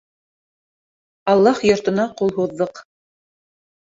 Аллаһ йортона ҡул һуҙҙыҡ!